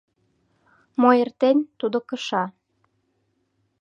— Мо эртен, тудо кыша.